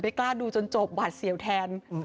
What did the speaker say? กล้าดูจนจบหวาดเสียวแทน